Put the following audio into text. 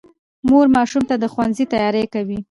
مور ماشوم ته د ښوونځي تیاری کوي